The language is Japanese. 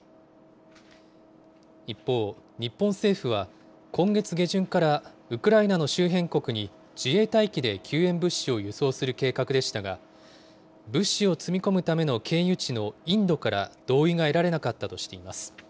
一方、日本政府は今月下旬から、ウクライナの周辺国に自衛隊機で救援物資を輸送する計画でしたが、物資を積み込むための経由地のインドから同意が得られなかったとしています。